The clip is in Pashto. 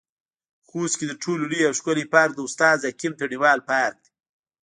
خوست کې تر ټولو لوى او ښکلى پارک د استاد حکيم تڼيوال پارک دى.